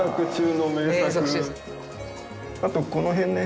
あとこの辺ね。